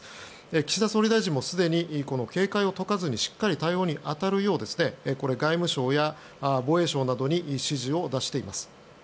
岸田総理大臣もすでに警戒を解かずにしっかり対応に当たるよう外務省は防衛省などに指示を出しています。